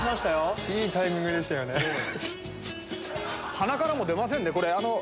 鼻からも出ませんね。